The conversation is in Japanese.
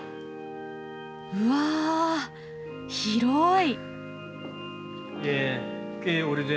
うわ広い！